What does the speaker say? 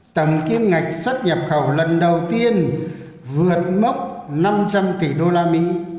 tầng kiêm ngạch xuất nhập khẩu lần đầu tiên vượt mốc năm trăm linh tỷ usd